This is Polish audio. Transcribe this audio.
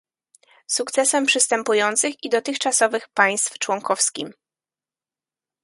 Sukcesem przystępujących i dotychczasowych państw członkowskim